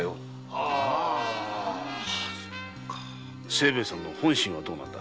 清兵衛さんの本心はどうなんだ？